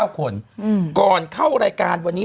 ๙คนก่อนเข้ารายการวันนี้